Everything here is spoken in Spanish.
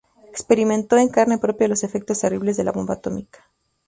Experimentó en carne propia los efectos terribles de la bomba atómica.